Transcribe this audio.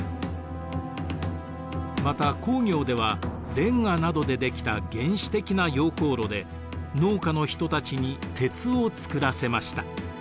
また工業ではレンガなどで出来た原始的な溶鉱炉で農家の人たちに鉄を作らせました。